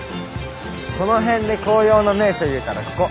この辺で紅葉の名所いうたらここ。